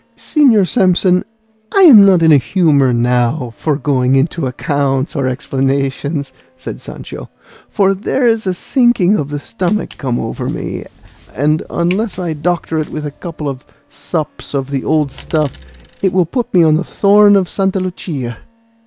"Señor Samson, I am not in a humour now for going into accounts or explanations," said Sancho; "for there's a sinking of the stomach come over me, and unless I doctor it with a couple of sups of the old stuff it will put me on the thorn of Santa Lucia.